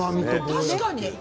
確かに！